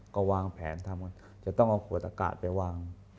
ก็วางแผนทำจะต้องเอาขวดอากาศไปวาง